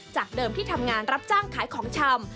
จากเดิมที่ทำงานรับจ้างขายของชำ